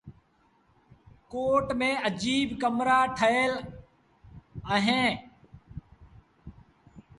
ڪوٽ ميݩ اجيٚب ڪمرآ ٺهيٚل اوهيݩ ۔